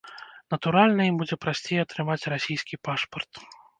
Натуральна, ім будзе прасцей атрымаць расійскі пашпарт.